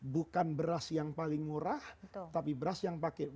bukan beras yang paling murah tapi beras yang pakai